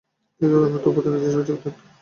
তিনি তাতে অন্যতম প্রতিনিধি হিসেবে যোগ দেন।